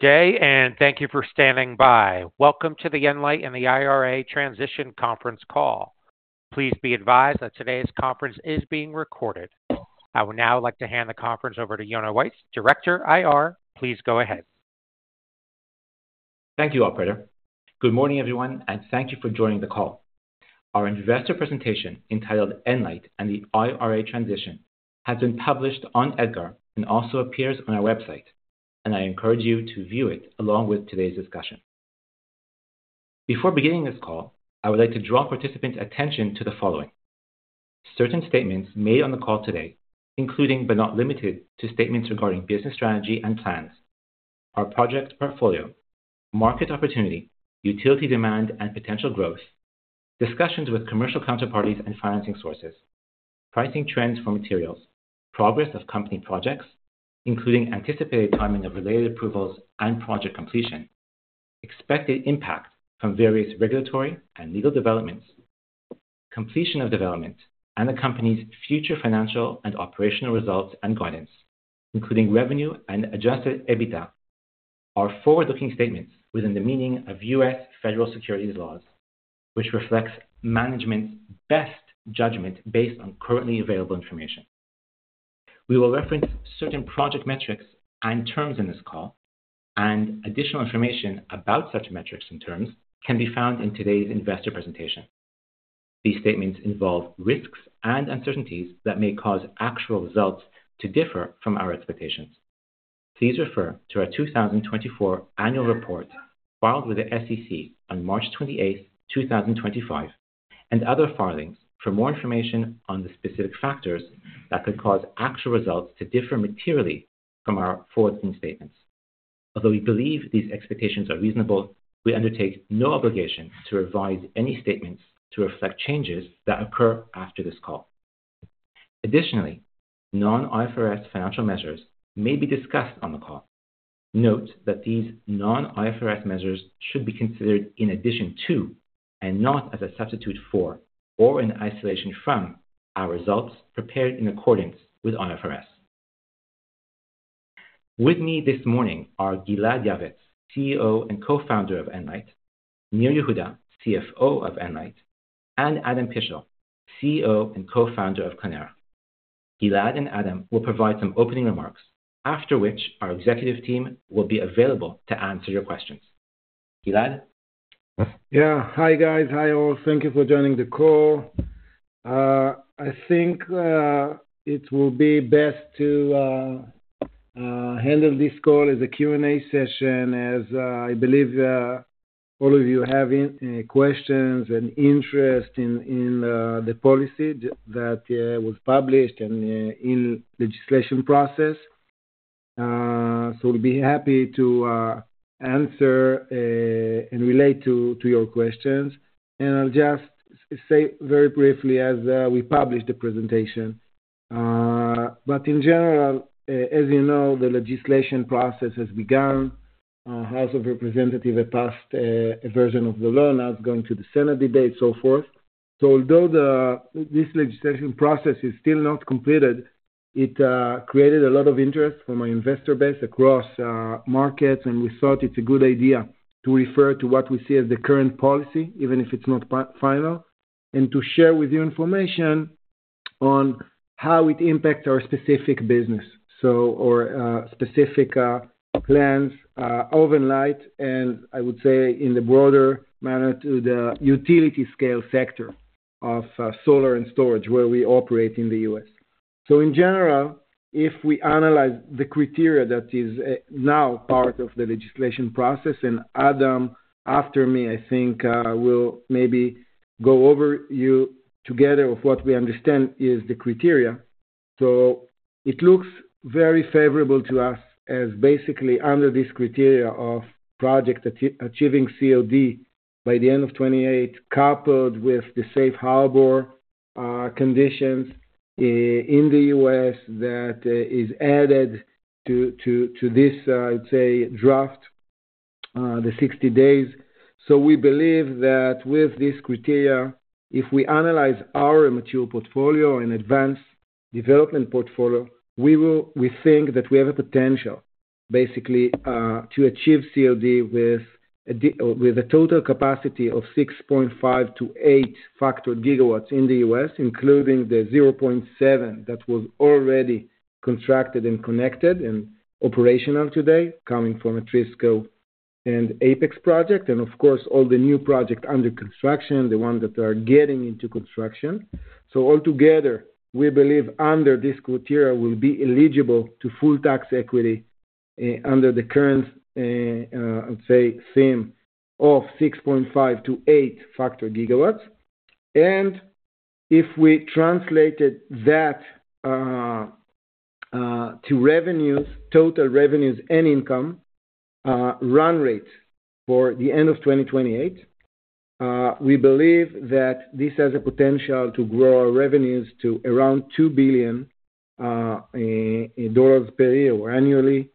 Good day, and thank you for standing by. Welcome to the Enlight and the IRA Transition Conference Call. Please be advised that today's conference is being recorded. I would now like to hand the conference over to Yonah Weisz, Director of Investor Relations. Please go ahead. Thank you, Operator. Good morning, everyone, and thank you for joining the call. Our investor presentation entitled "Enlight and the IRA Transition" has been published on EDGAR and also appears on our website, and I encourage you to view it along with today's discussion. Before beginning this call, I would like to draw participants' attention to the following: certain statements made on the call today, including but not limited to statements regarding business strategy and plans, our project portfolio, market opportunity, utility demand and potential growth, discussions with commercial counterparties and financing sources, pricing trends for materials, progress of company projects, including anticipated timing of related approvals and project completion, expected impact from various regulatory and legal developments, completion of development, and the company's future financial and operational results and guidance, including revenue and adjusted EBITDA. Our forward-looking statements within the meaning of U.S. federal securities laws, which reflects management's best judgment based on currently available information. We will reference certain project metrics and terms in this call, and additional information about such metrics and terms can be found in today's investor presentation. These statements involve risks and uncertainties that may cause actual results to differ from our expectations. Please refer to our 2024 annual report filed with the SEC on March 28, 2025, and other filings for more information on the specific factors that could cause actual results to differ materially from our forward-looking statements. Although we believe these expectations are reasonable, we undertake no obligation to revise any statements to reflect changes that occur after this call. Additionally, non-IFRS financial measures may be discussed on the call. Note that these non-IFRS measures should be considered in addition to, and not as a substitute for, or in isolation from, our results prepared in accordance with IFRS. With me this morning are Gilad Yavetz, CEO and Co-founder of Enlight; Nir Yehuda, CFO of Enlight; and Adam Pishl, CEO and Co-founder of Clēnera. Gilad and Adam will provide some opening remarks, after which our executive team will be available to answer your questions. Gilad? Yeah. Hi, guys. Hi all. Thank you for joining the call. I think it will be best to handle this call as a Q&A session, as I believe all of you have questions and interest in the policy that was published and in the legislation process. We will be happy to answer and relate to your questions. I'll just say very briefly, as we publish the presentation, but in general, as you know, the legislation process has begun. The House of Representatives passed a version of the law now. It's going to the Senate today, so forth. Although this legislation process is still not completed, it created a lot of interest from our investor base across markets, and we thought it is a good idea to refer to what we see as the current policy, even if it is not final, and to share with you information on how it impacts our specific business or specific plans of Enlight, and I would say in a broader manner to the utility scale sector of solar and storage where we operate in the U.S. In general, if we analyze the criteria that is now part of the legislation process, and Adam after me, I think, will maybe go over together what we understand is the criteria. It looks very favorable to us as basically under this criteria of project achieving COD by the end of 2028, coupled with the safe harbor conditions in the U.S. that is added to this, I'd say, draft, the 60 days. We believe that with this criteria, if we analyze our mature portfolio and advanced development portfolio, we think that we have a potential basically to achieve COD with a total capacity of 6.5-8 GW in the U.S., including the 0.7 that was already contracted and connected and operational today, coming from a Tresco and Apex project, and of course, all the new projects under construction, the ones that are getting into construction. Altogether, we believe under this criteria we'll be eligible to full tax equity under the current, I'd say, theme of 6.5-8 GW. If we translated that to revenues, total revenues and income run rate for the end of 2028, we believe that this has a potential to grow our revenues to around $2 billion per year or annually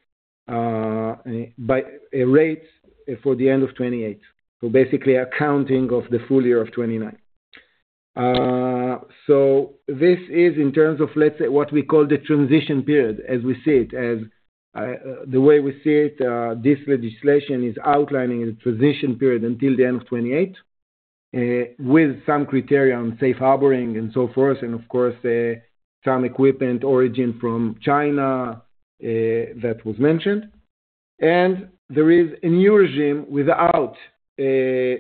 by a rate for the end of 2028, basically accounting of the full year of 2029. This is in terms of, let's say, what we call the transition period, as we see it. As the way we see it, this legislation is outlining the transition period until the end of 2028 with some criteria on safe harboring and so forth, and of course, some equipment origin from China that was mentioned. There is a new regime without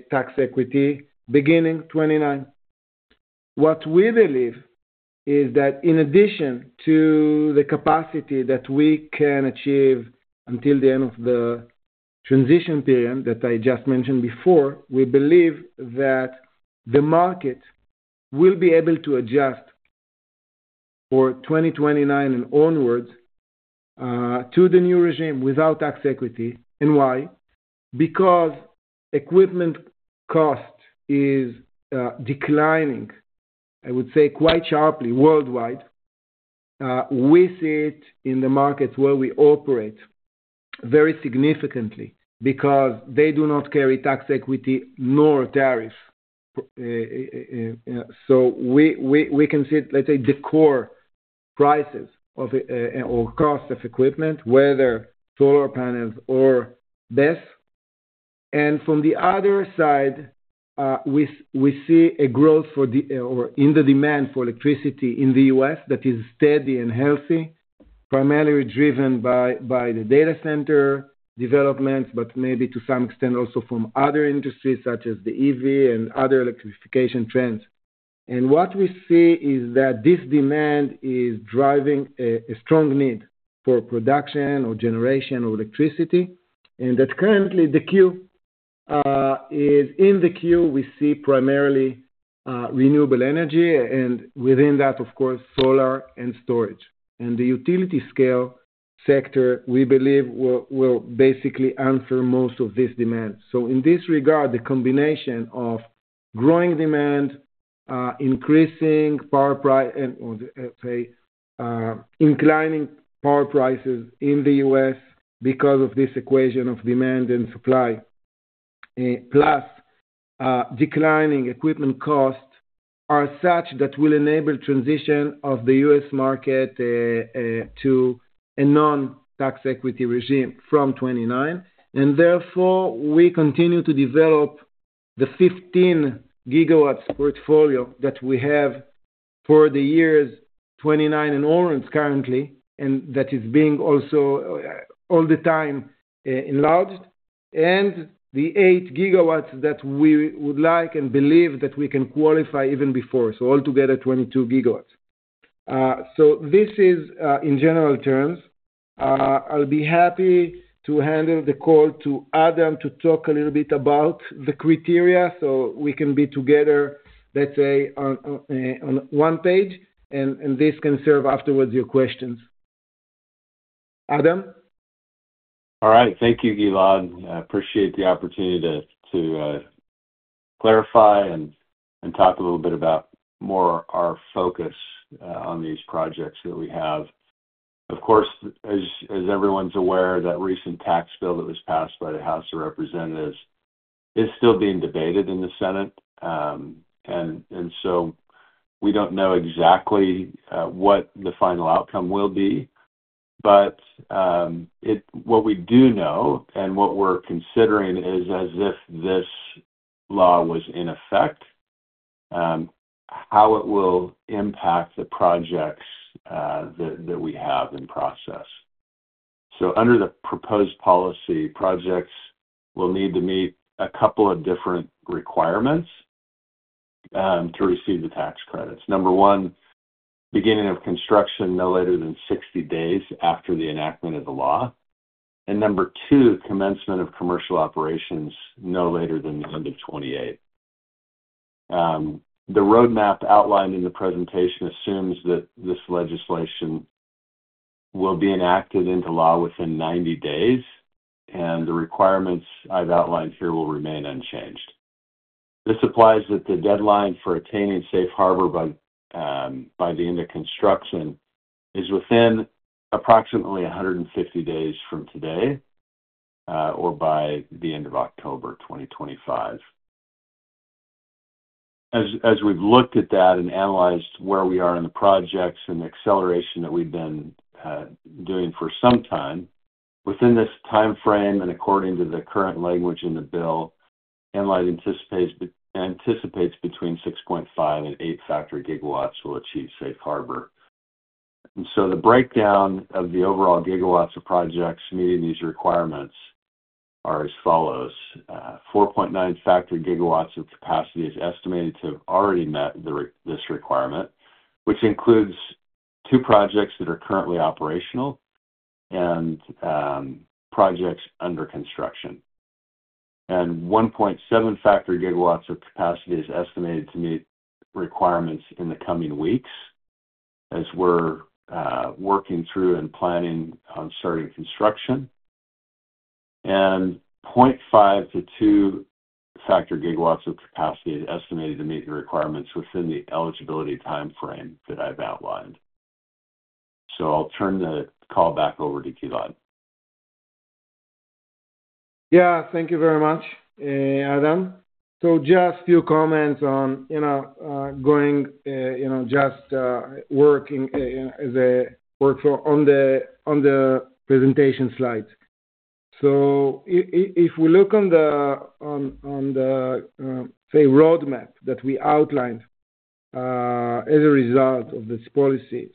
tax equity beginning 2029. What we believe is that in addition to the capacity that we can achieve until the end of the transition period that I just mentioned before, we believe that the market will be able to adjust for 2029 and onwards to the new regime without tax equity. Why? Because equipment cost is declining, I would say, quite sharply worldwide. We see it in the markets where we operate very significantly because they do not carry tax equity nor tariffs. We can see, let's say, the core prices or cost of equipment, whether solar panels or BESS. From the other side, we see a growth in the demand for electricity in the U.S. that is steady and healthy, primarily driven by the data center developments, but maybe to some extent also from other industries such as the EV and other electrification trends. What we see is that this demand is driving a strong need for production or generation of electricity, and that currently in the queue, we see primarily renewable energy, and within that, of course, solar and storage. The utility scale sector, we believe, will basically answer most of this demand. In this regard, the combination of growing demand, increasing power price, and I'd say inclining power prices in the U.S. because of this equation of demand and supply, plus declining equipment costs are such that will enable transition of the U.S. market to a non-tax equity regime from 2029. Therefore, we continue to develop the 15 Gw portfolio that we have for the years 2029 and onwards currently, and that is being also all the time enlarged, and the 8 GW that we would like and believe that we can qualify even before. Altogether, 22 GW. This is in general terms. I'll be happy to handle the call to Adam to talk a little bit about the criteria so we can be together, let's say, on one page, and this can serve afterwards your questions. Adam? All right. Thank you, Gilad. I appreciate the opportunity to clarify and talk a little bit more about our focus on these projects that we have. Of course, as everyone's aware, that recent tax bill that was passed by the House of Representatives is still being debated in the Senate. We do not know exactly what the final outcome will be, but what we do know and what we're considering is as if this law was in effect, how it will impact the projects that we have in process. Under the proposed policy, projects will need to meet a couple of different requirements to receive the tax credits. Number one, beginning of construction no later than 60 days after the enactment of the law. Number two, commencement of commercial operations no later than the end of 2028. The roadmap outlined in the presentation assumes that this legislation will be enacted into law within 90 days, and the requirements I have outlined here will remain unchanged. This implies that the deadline for attaining safe harbor by the end of construction is within approximately 150 days from today or by the end of October 2025. As we have looked at that and analyzed where we are in the projects and the acceleration that we have been doing for some time, within this timeframe and according to the current language in the bill, Enlight anticipates between 6.5-8 GW will achieve safe harbor. The breakdown of the overall gigawatts of projects meeting these requirements is as follows, 4.9 GW of capacity is estimated to have already met this requirement, which includes two projects that are currently operational and projects under construction. 1.7 GW of capacity is estimated to meet requirements in the coming weeks as we're working through and planning on starting construction. 0.5-2 GW of capacity is estimated to meet the requirements within the eligibility timeframe that I've outlined. I'll turn the call back over to Gilad. Yeah. Thank you very much, Adam. Just a few comments on going just working as a workflow on the presentation slides. If we look on the, say, roadmap that we outlined as a result of this policy,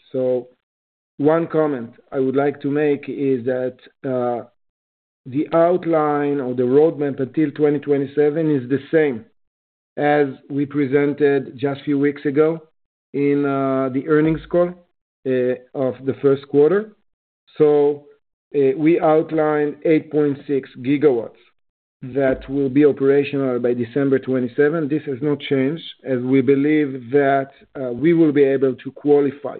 one comment I would like to make is that the outline or the roadmap until 2027 is the same as we presented just a few weeks ago in the earnings call of the first quarter. We outlined 8.6 GW that will be operational by December 2027. This has not changed as we believe that we will be able to qualify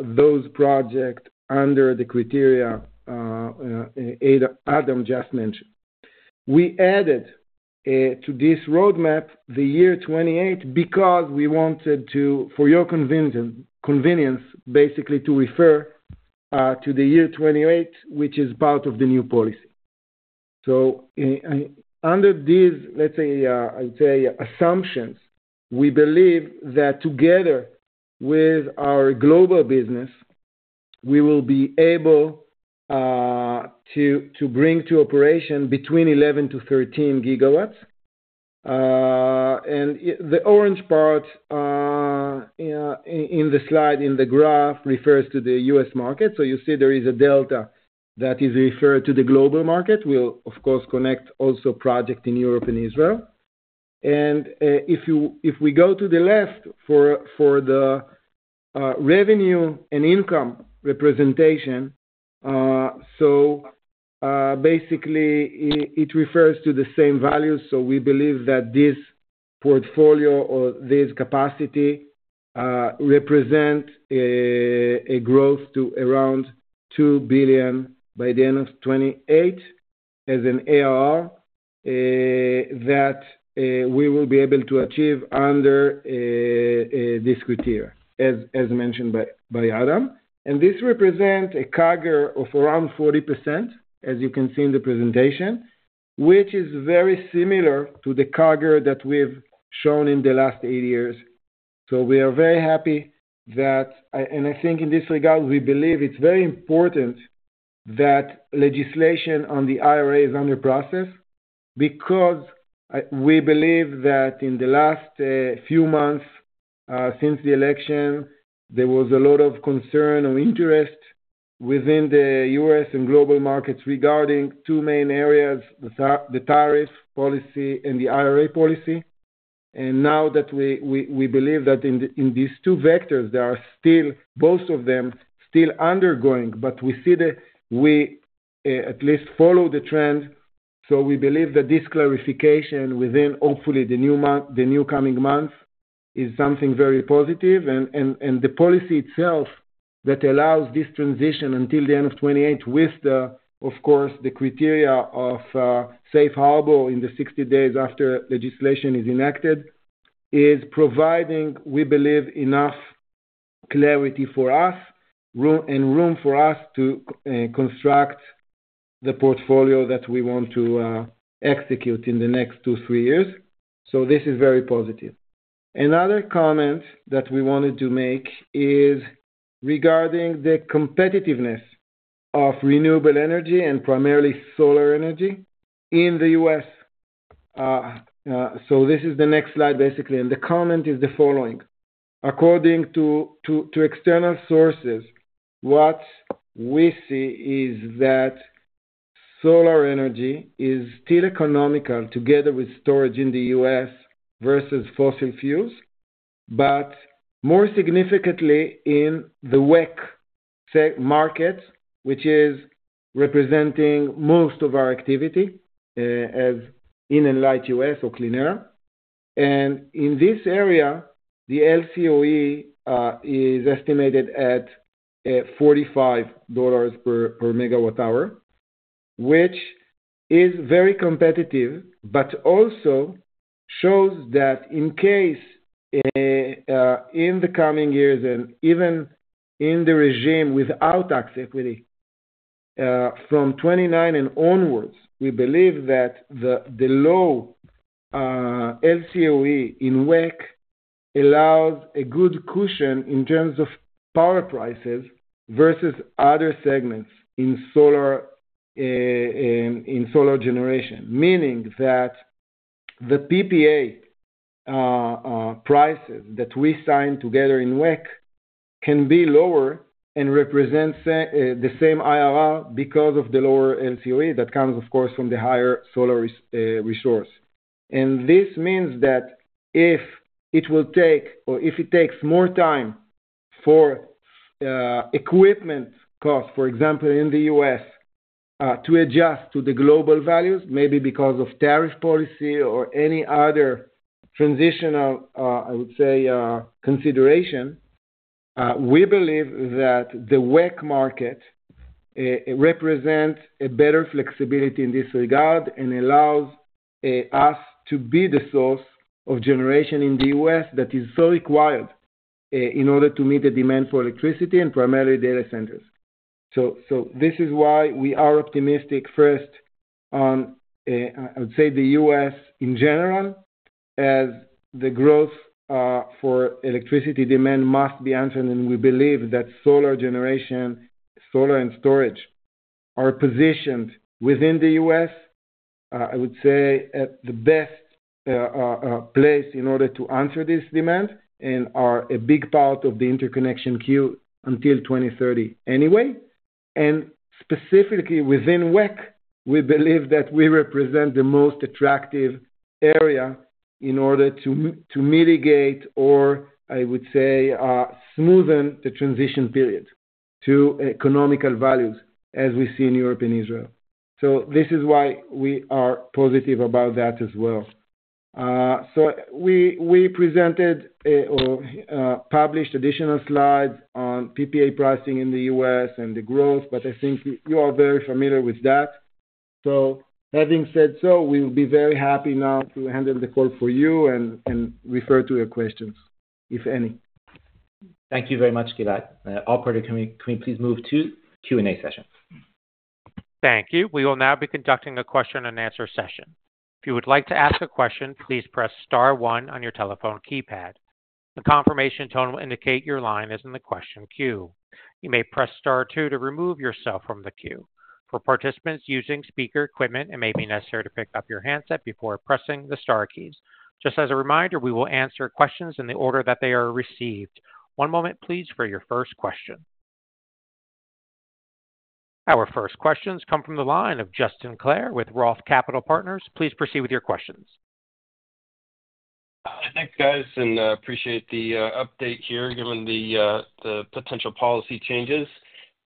those projects under the criteria Adam just mentioned. We added to this roadmap the year 2028 because we wanted to, for your convenience, basically to refer to the year 2028, which is part of the new policy. Under these, let's say, I'd say assumptions, we believe that together with our global business, we will be able to bring to operation between 11-13 GW. The orange part in the slide in the graph refers to the U.S. market. You see there is a delta that is referred to the global market. We'll, of course, connect also projects in Europe and Israel. If we go to the left for the revenue and income representation, basically it refers to the same values. We believe that this portfolio or this capacity represents a growth to around $2 billion by the end of 2028 as an ARR that we will be able to achieve under this criteria, as mentioned by Adam. This represents a CAGR of around 40%, as you can see in the presentation, which is very similar to the CAGR that we've shown in the last eight years. We are very happy that, and I think in this regard, we believe it's very important that legislation on the IRA is under process because we believe that in the last few months since the election, there was a lot of concern or interest within the U.S. and global markets regarding two main areas: the tariff policy and the IRA policy. Now that we believe that in these two vectors, there are still both of them still undergoing, but we see that we at least follow the trend. We believe that this clarification within, hopefully, the new coming months is something very positive. The policy itself that allows this transition until the end of 2028 with, of course, the criteria of safe harbor in the 60 days after legislation is enacted is providing, we believe, enough clarity for us and room for us to construct the portfolio that we want to execute in the next two, three years. This is very positive. Another comment that we wanted to make is regarding the competitiveness of renewable energy and primarily solar energy in the U.S. This is the next slide, basically. The comment is the following. According to external sources, what we see is that solar energy is still economical together with storage in the U.S. versus fossil fuels, but more significantly in the WEC market, which is representing most of our activity as in Enlight U.S. or Clēnera. In this area, the LCOE is estimated at $45 per megawatt hour, which is very competitive, but also shows that in case in the coming years and even in the regime without tax equity from 2029 and onwards, we believe that the low LCOE in WEC allows a good cushion in terms of power prices versus other segments in solar generation, meaning that the PPA prices that we signed together in WEC can be lower and represent the same IRR because of the lower LCOE that comes, of course, from the higher solar resource. This means that if it will take or if it takes more time for equipment costs, for example, in the U.S. To adjust to the global values, maybe because of tariff policy or any other transitional, I would say, consideration, we believe that the WEC market represents a better flexibility in this regard and allows us to be the source of generation in the U.S. that is so required in order to meet the demand for electricity and primarily data centers. This is why we are optimistic first on, I would say, the U.S. in general as the growth for electricity demand must be answered. We believe that solar generation, solar and storage are positioned within the U.S., I would say, at the best place in order to answer this demand and are a big part of the interconnection queue until 2030 anyway. Specifically within WEC, we believe that we represent the most attractive area in order to mitigate or, I would say, smoothen the transition period to economical values as we see in Europe and Israel. This is why we are positive about that as well. We presented or published additional slides on PPA pricing in the U.S. and the growth, but I think you are very familiar with that. Having said so, we will be very happy now to handle the call for you and refer to your questions if any. Thank you very much, Gilad. Operator, can we please move to Q&A session? Thank you. We will now be conducting a question and answer session. If you would like to ask a question, please press star one on your telephone keypad. The confirmation tone will indicate your line is in the question queue. You may press star two to remove yourself from the queue. For participants using speaker equipment, it may be necessary to pick up your handset before pressing the star keys. Just as a reminder, we will answer questions in the order that they are received. One moment, please, for your first question. Our first questions come from the line of Justin Clare with ROTH Capital Partners. Please proceed with your questions. Hi, thanks, guys, and appreciate the update here given the potential policy changes.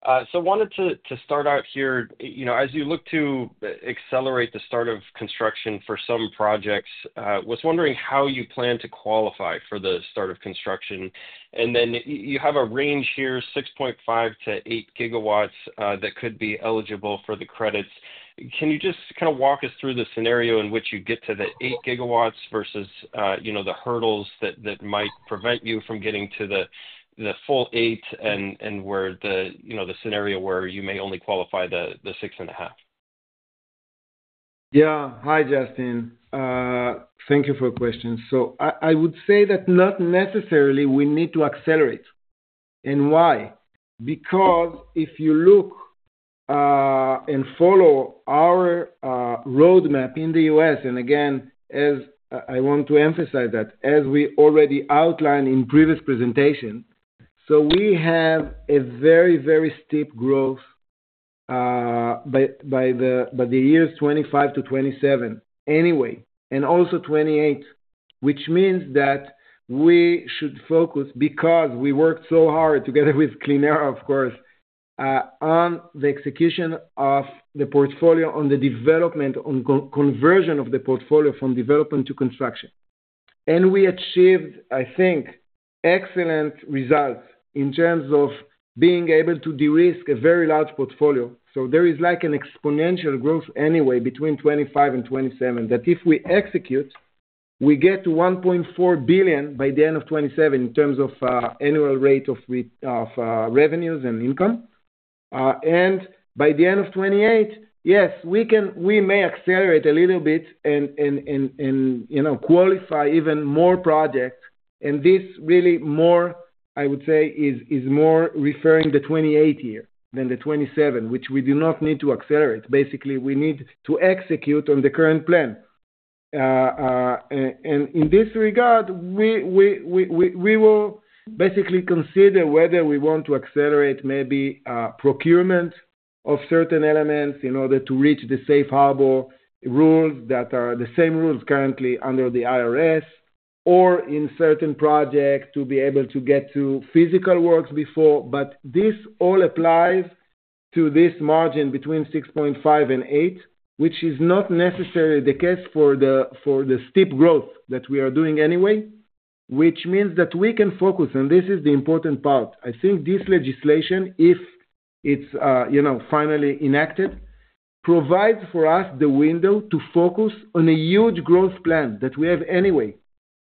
I wanted to start out here. As you look to accelerate the start of construction for some projects, I was wondering how you plan to qualify for the start of construction. You have a range here, 6.5-8 GW that could be eligible for the credits. Can you just kind of walk us through the scenario in which you get to the 8 gigawatts versus the hurdles that might prevent you from getting to the full 8 and the scenario where you may only qualify the 6.5? Yeah. Hi, Justin. Thank you for your question. I would say that not necessarily we need to accelerate. Why? If you look and follow our roadmap in the U.S., I want to emphasize that as we already outlined in previous presentations, we have a very, very steep growth by the years 2025 to 2027 anyway, and also 2028, which means that we should focus because we worked so hard together with Clēnera, of course, on the execution of the portfolio, on the development, on conversion of the portfolio from development to construction. We achieved, I think, excellent results in terms of being able to de-risk a very large portfolio. There is like an exponential growth anyway between 2025 and 2027 that if we execute, we get to $1.4 billion by the end of 2027 in terms of annual rate of revenues and income. By the end of 2028, yes, we may accelerate a little bit and qualify even more projects. This really more, I would say, is more referring to the 2028 year than the 2027, which we do not need to accelerate. Basically, we need to execute on the current plan. In this regard, we will basically consider whether we want to accelerate maybe procurement of certain elements in order to reach the safe harbor rules that are the same rules currently under the IRS or in certain projects to be able to get to physical works before. This all applies to this margin between 6.5 and 8, which is not necessarily the case for the steep growth that we are doing anyway, which means that we can focus. This is the important part. I think this legislation, if it is finally enacted, provides for us the window to focus on a huge growth plan that we have anyway.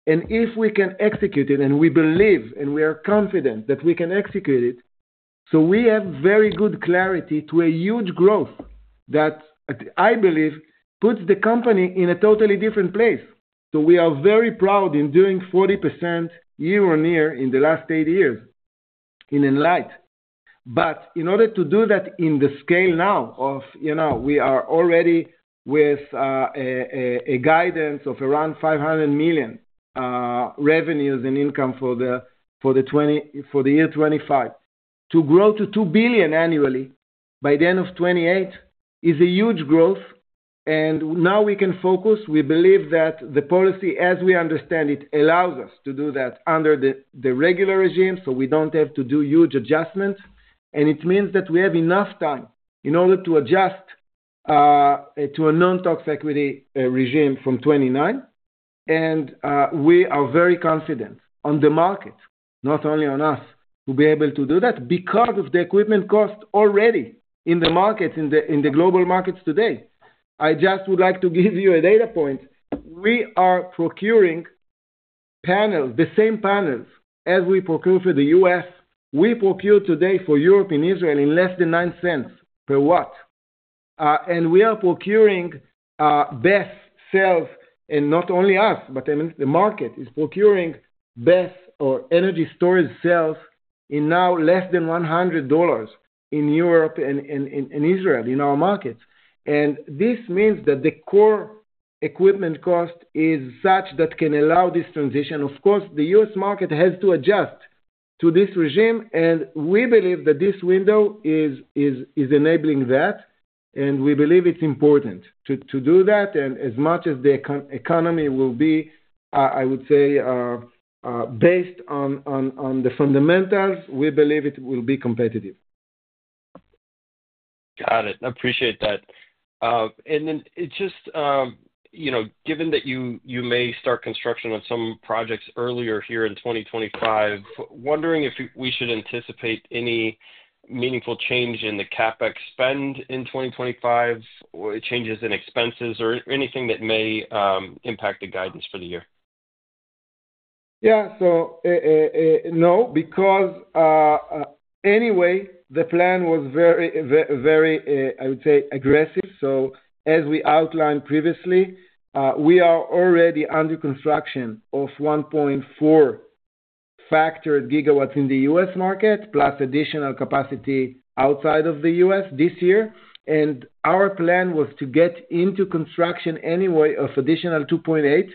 If we can execute it, and we believe and we are confident that we can execute it, we have very good clarity to a huge growth that I believe puts the company in a totally different place. We are very proud in doing 40% year on year in the last eight years in Enlight. In order to do that in the scale now of we are already with a guidance of around $500 million revenues and income for the year 2025 to grow to $2 billion annually by the end of 2028 is a huge growth. Now we can focus. We believe that the policy, as we understand it, allows us to do that under the regular regime. We do not have to do huge adjustments. It means that we have enough time in order to adjust to a non-tax equity regime from 2029. We are very confident on the market, not only on us, to be able to do that because of the equipment cost already in the markets, in the global markets today. I just would like to give you a data point. We are procuring panels, the same panels as we procure for the U.S. We procure today for Europe and Israel in less than $0.09 per watt. We are procuring BESS cells, and not only us, but the market is procuring BESS or energy storage cells in now less than $100 in Europe and Israel in our markets. This means that the core equipment cost is such that can allow this transition. Of course, the U.S. market has to adjust to this regime. We believe that this window is enabling that. We believe it is important to do that. As much as the economy will be, I would say, based on the fundamentals, we believe it will be competitive. Got it. Appreciate that. Just given that you may start construction on some projects earlier here in 2025, wondering if we should anticipate any meaningful change in the CapEx spend in 2025 or changes in expenses or anything that may impact the guidance for the year? Yeah. No, because anyway, the plan was very, very, I would say, aggressive. As we outlined previously, we are already under construction of 1.4 factored GW in the U.S. market plus additional capacity outside of the U.S. this year. Our plan was to get into construction anyway of additional 2.8.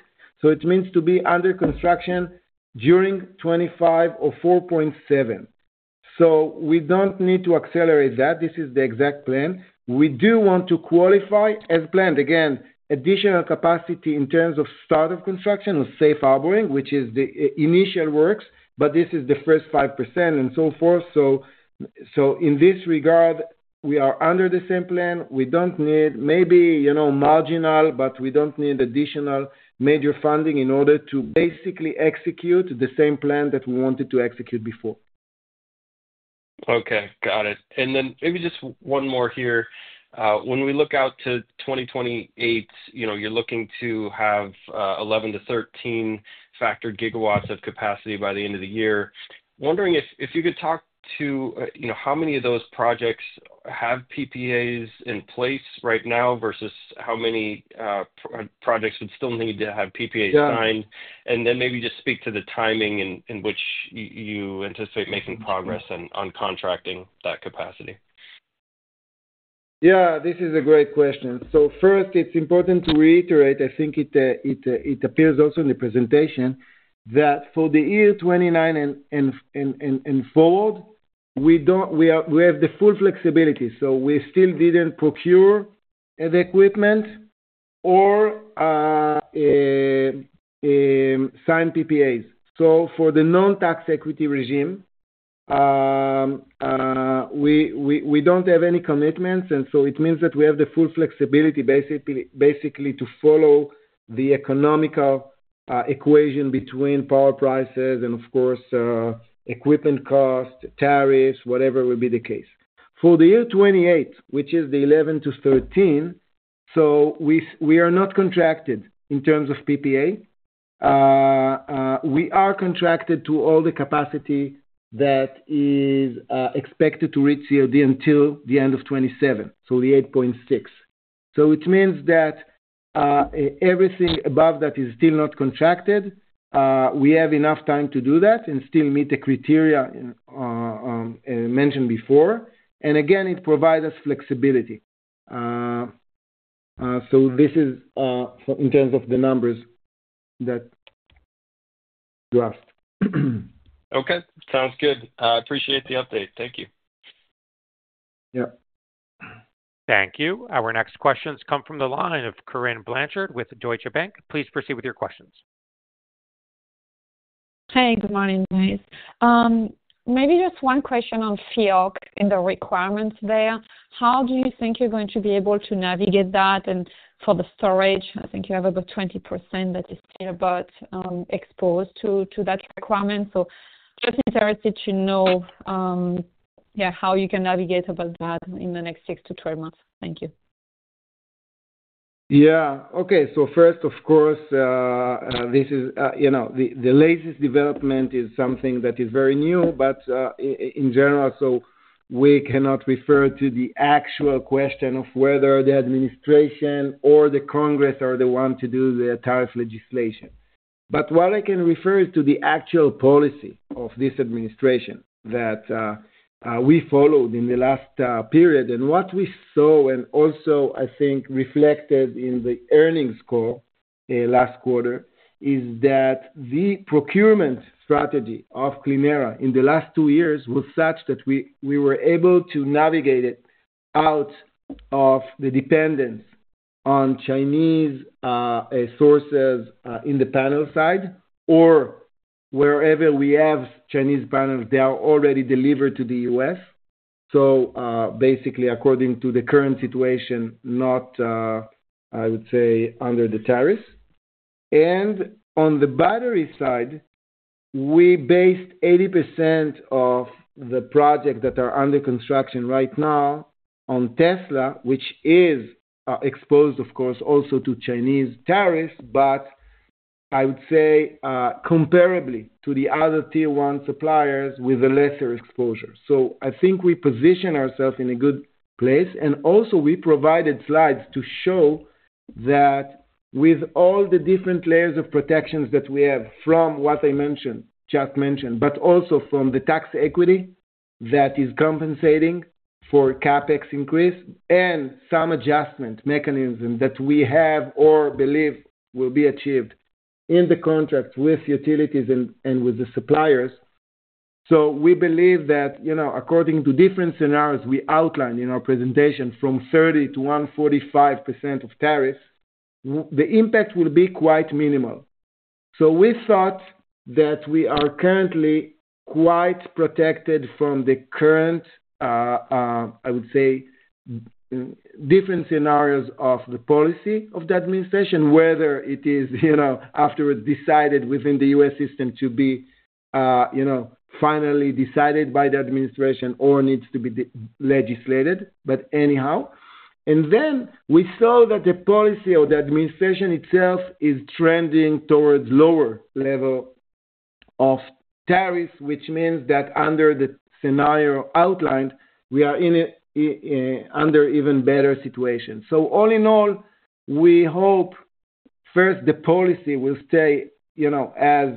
It means to be under construction during 2025 for 4.7. We do not need to accelerate that. This is the exact plan. We do want to qualify as planned. Again, additional capacity in terms of start of construction or safe harboring, which is the initial works, but this is the first 5% and so forth. In this regard, we are under the same plan. We do not need, maybe marginal, but we do not need additional major funding in order to basically execute the same plan that we wanted to execute before. Okay. Got it. Maybe just one more here. When we look out to 2028, you're looking to have 11-13 factored GW of capacity by the end of the year. Wondering if you could talk to how many of those projects have PPAs in place right now versus how many projects would still need to have PPAs signed? Maybe just speak to the timing in which you anticipate making progress on contracting that capacity. Yeah. This is a great question. First, it's important to reiterate. I think it appears also in the presentation that for the year 2029 and forward, we have the full flexibility. We still did not procure the equipment or sign PPAs. For the non-tax equity regime, we do not have any commitments. It means that we have the full flexibility basically to follow the economical equation between power prices and, of course, equipment cost, tariffs, whatever will be the case. For the year 2028, which is the 11 to 13, we are not contracted in terms of PPA. We are contracted to all the capacity that is expected to reach COD until the end of 2027, so the 8.6. It means that everything above that is still not contracted. We have enough time to do that and still meet the criteria mentioned before. It provides us flexibility. This is in terms of the numbers that you asked. Okay. Sounds good. Appreciate the update. Thank you. Yeah. Thank you. Our next questions come from the line of Corinne Blanchard with Deutsche Bank. Please proceed with your questions. Hi. Good morning, guys. Maybe just one question on FIOC and the requirements there. How do you think you're going to be able to navigate that? For the storage, I think you have about 20% that is still about exposed to that requirement. Just interested to know, yeah, how you can navigate about that in the next 6-12 months? Thank you. Yeah. Okay. So first, of course, this is the latest development, is something that is very new, but in general, we cannot refer to the actual question of whether the administration or the Congress are the one to do the tariff legislation. What I can refer to is the actual policy of this administration that we followed in the last period. What we saw and also, I think, reflected in the earnings call last quarter is that the procurement strategy of Clēnera in the last two years was such that we were able to navigate it out of the dependence on Chinese sources on the panel side, or wherever we have Chinese panels, they are already delivered to the U.S. Basically, according to the current situation, not, I would say, under the tariffs. On the battery side, we based 80% of the projects that are under construction right now on Tesla, which is exposed, of course, also to Chinese tariffs, but I would say comparably to the other tier one suppliers with a lesser exposure. I think we position ourselves in a good place. We provided slides to show that with all the different layers of protections that we have from what I just mentioned, but also from the tax equity that is compensating for CapEx increase and some adjustment mechanism that we have or believe will be achieved in the contract with utilities and with the suppliers. We believe that according to different scenarios we outlined in our presentation from 30%-145% of tariffs, the impact will be quite minimal. We thought that we are currently quite protected from the current, I would say, different scenarios of the policy of the administration, whether it is after it is decided within the U.S. system to be finally decided by the administration or needs to be legislated, but anyhow. Then we saw that the policy or the administration itself is trending towards lower level of tariffs, which means that under the scenario outlined, we are under even better situation. All in all, we hope first the policy will stay as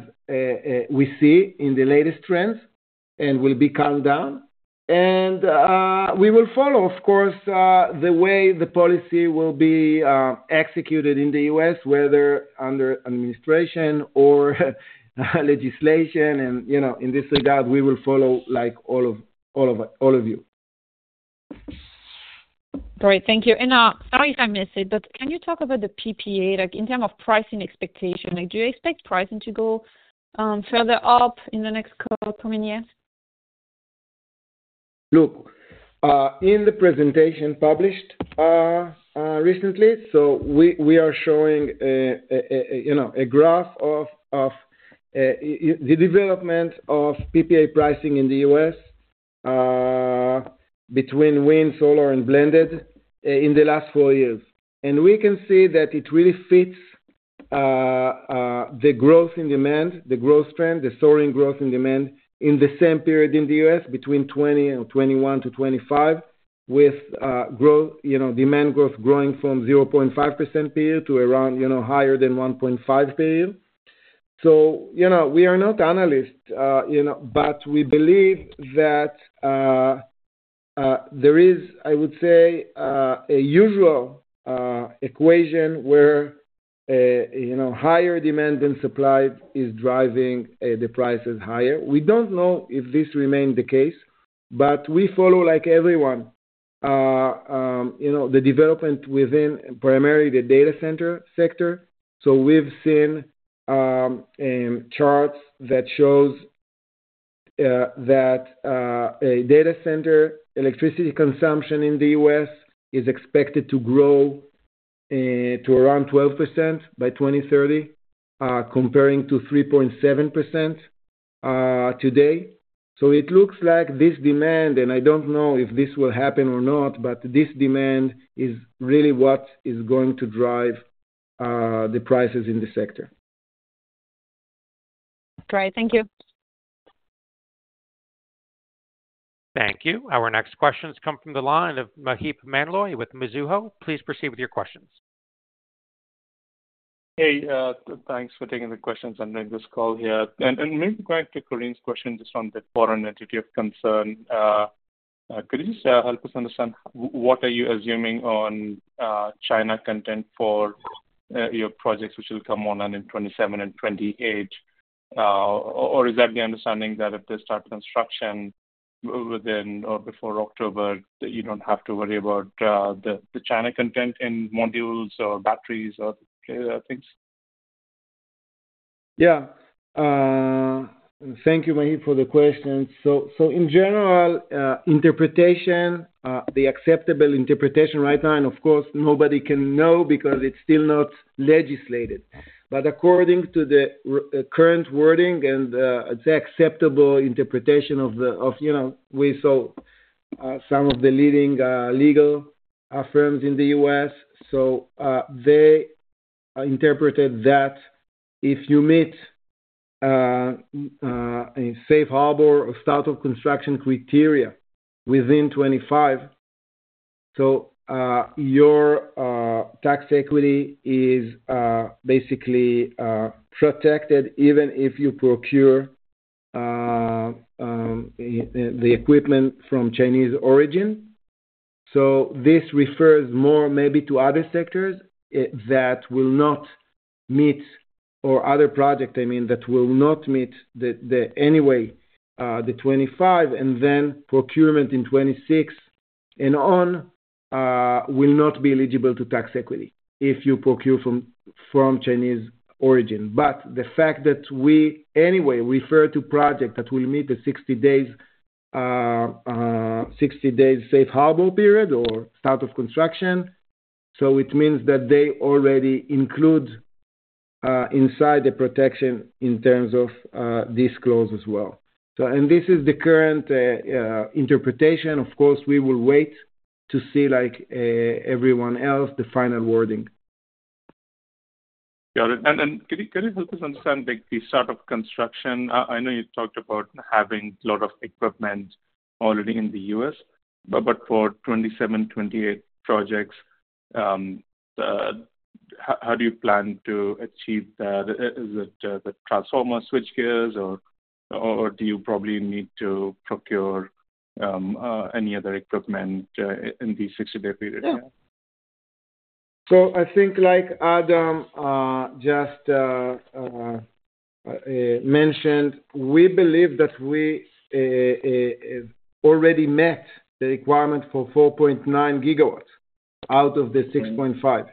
we see in the latest trends and will be calmed down. We will follow, of course, the way the policy will be executed in the U.S., whether under administration or legislation. In this regard, we will follow like all of you. Great. Thank you. Sorry if I missed it, but can you talk about the PPA? In terms of pricing expectation, do you expect pricing to go further up in the next couple of years? Look, in the presentation published recently, we are showing a graph of the development of PPA pricing in the U.S. between wind, solar, and blended in the last four years. We can see that it really fits the growth in demand, the growth trend, the soaring growth in demand in the same period in the U.S. between 2020 and 2021 to 2025, with demand growth growing from 0.5% period to around higher than 1.5% period. We are not analysts, but we believe that there is, I would say, a usual equation where higher demand than supply is driving the prices higher. We do not know if this remains the case, but we follow like everyone the development within primarily the data center sector. We have seen charts that show that data center electricity consumption in the U.S. is expected to grow to around 12% by 2030, comparing to 3.7% today. It looks like this demand, and I don't know if this will happen or not, but this demand is really what is going to drive the prices in the sector. Great. Thank you. Thank you. Our next questions come from the line of Maheep Mandloi with Mizuho. Please proceed with your questions. Hey, thanks for taking the questions under this call here. Maybe going to Corinne's question just on the foreign entity of concern, could you just help us understand what are you assuming on China content for your projects which will come online in 2027 and 2028? Is that the understanding that if they start construction within or before October, that you do not have to worry about the China content in modules or batteries or things? Yeah. Thank you, Maheep, for the questions. In general, interpretation, the acceptable interpretation right now, and of course, nobody can know because it is still not legislated. According to the current wording and the acceptable interpretation that we saw from some of the leading legal firms in the U.S., they interpreted that if you meet safe harbor or start of construction criteria within 2025, your tax equity is basically protected even if you procure the equipment from Chinese origin. This refers more maybe to other sectors that will not meet, or other projects, I mean, that will not meet anyway the 2025, and then procurement in 2026 and on will not be eligible to tax equity if you procure from Chinese origin. The fact that we anyway refer to projects that will meet the 60-day safe harbor period or start of construction means that they already include inside the protection in terms of this clause as well. This is the current interpretation. Of course, we will wait to see like everyone else the final wording. Got it. Can you help us understand the start of construction? I know you talked about having a lot of equipment already in the U.S., but for 2027, 2028 projects, how do you plan to achieve that? Is it the transformer switch gears, or do you probably need to procure any other equipment in the 60-day period? I think like Adam just mentioned, we believe that we already met the requirement for 4.9 GW out of the 6.5.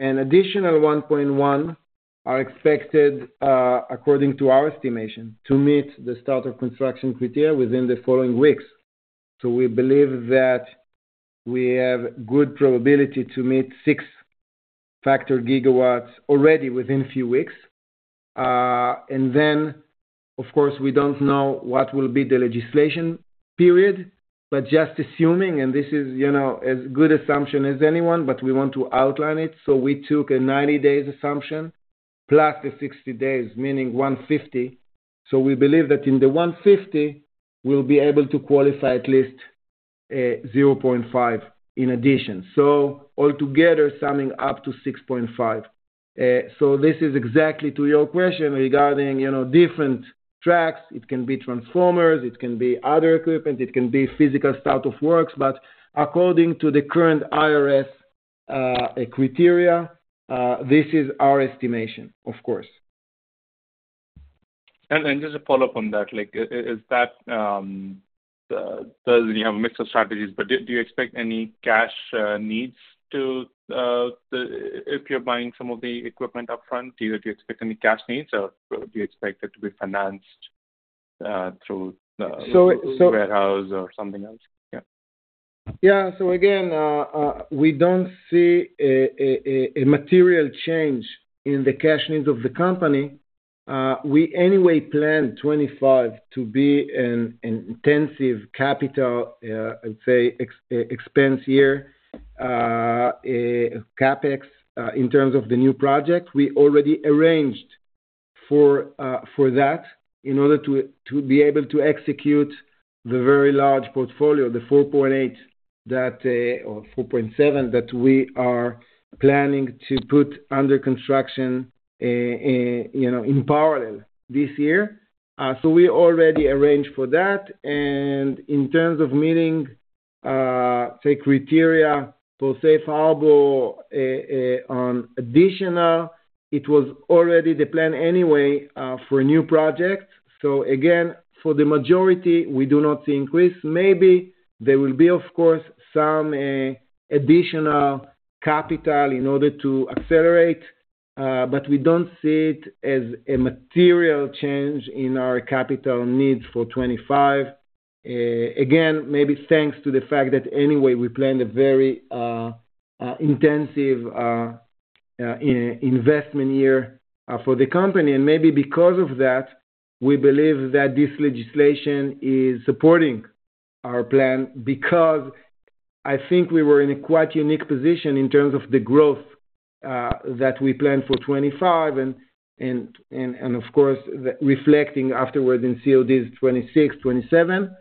An additional 1.1 are expected, according to our estimation, to meet the start of construction criteria within the following weeks. We believe that we have good probability to meet 6 GW already within a few weeks. Of course, we do not know what will be the legislation period, but just assuming, and this is as good assumption as anyone, we want to outline it. We took a 90-day assumption plus the 60 days, meaning 150. We believe that in the 150, we will be able to qualify at least 0.5 in addition. Altogether, summing up to 6.5. This is exactly to your question regarding different tracks. It can be transformers. It can be other equipment. It can be physical start of works. According to the current IRS criteria, this is our estimation, of course. Just to follow up on that, does you have a mix of strategies, but do you expect any cash needs if you're buying some of the equipment upfront? Do you expect any cash needs, or do you expect it to be financed through the warehouse or something else? Yeah. Again, we do not see a material change in the cash needs of the company. We anyway planned 2025 to be an intensive capital, I would say, expense year, CapEx, in terms of the new project. We already arranged for that in order to be able to execute the very large portfolio, the 4.8 or 4.7 that we are planning to put under construction in parallel this year. We already arranged for that. In terms of meeting, say, criteria for safe harbor on additional, it was already the plan anyway for new projects. Again, for the majority, we do not see increase. Maybe there will be, of course, some additional capital in order to accelerate, but we do not see it as a material change in our capital needs for 2025. Again, maybe thanks to the fact that anyway we planned a very intensive investment year for the company. Maybe because of that, we believe that this legislation is supporting our plan because I think we were in a quite unique position in terms of the growth that we planned for 2025 and, of course, reflecting afterwards in CODs 2026, 2027.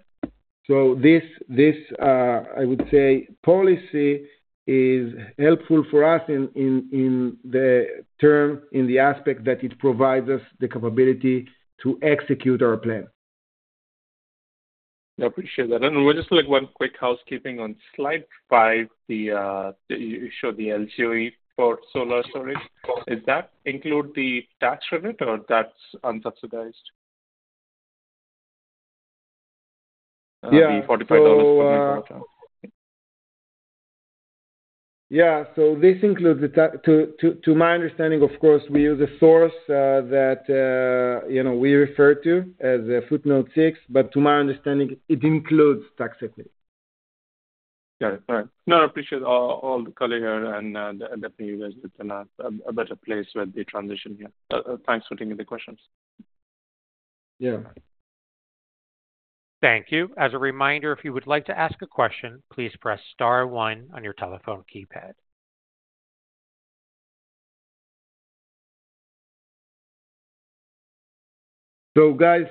This, I would say, policy is helpful for us in the aspect that it provides us the capability to execute our plan. I appreciate that. Just one quick housekeeping on slide five, you show the LCOE for solar storage. Does that include the tax credit, or is that unsubsidized? The $45 per year? Yeah. This includes the tax. To my understanding, of course, we use a source that we refer to as Footnote 6, but to my understanding, it includes tax equity. Got it. All right. No, I appreciate all the color here, and definitely, you guys will find a better place with the transition here. Thanks for taking the questions. Yeah. Thank you. As a reminder, if you would like to ask a question, please press star one on your telephone keypad.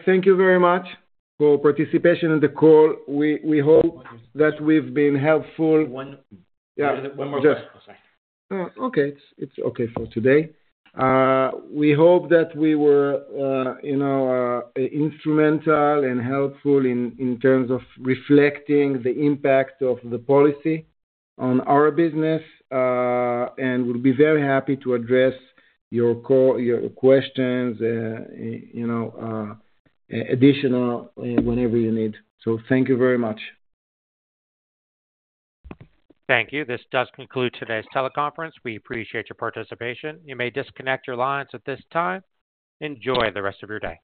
Thank you very much for participating in the call. We hope that we've been helpful. One more question. Okay. It's okay for today. We hope that we were instrumental and helpful in terms of reflecting the impact of the policy on our business, and we'll be very happy to address your questions, additional, whenever you need. Thank you very much. Thank you. This does conclude today's teleconference. We appreciate your participation. You may disconnect your lines at this time. Enjoy the rest of your day.